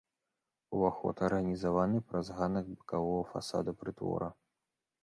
Уваход арганізаваны праз ганак бакавога фасада прытвора.